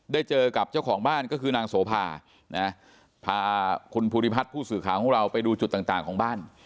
เจอกับเจ้าของบ้านก็คือนางโสภานะพาคุณภูริพัฒน์ผู้สื่อข่าวของเราไปดูจุดต่างของบ้าน